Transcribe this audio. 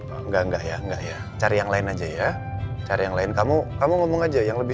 enggak enggak ya enggak ya cari yang lain aja ya cari yang lain kamu kamu ngomong aja yang lebih